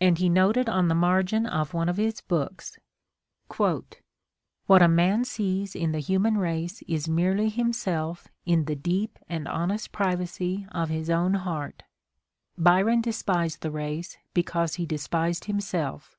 And he noted on the margin of one of his books: "What a man sees in the human; race is merely himself in the deep and honest privacy of ) his own heart. Byron despised the race because hey despised himself.